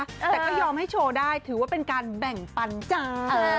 แต่ก็ยอมให้โชว์ได้ถือว่าเป็นการแบ่งปันจ้า